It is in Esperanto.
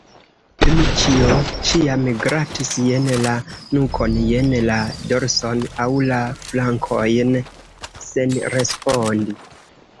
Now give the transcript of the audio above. Dmiĉjo ĉiam gratis jen la nukon, jen la dorson aŭ la flankojn senrespondi.